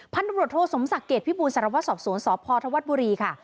พันธุบริโทษโสมศักดิ์เกตพิบูรณ์สารวัตรสอบสวนสพธวรรษบุรีค่ะ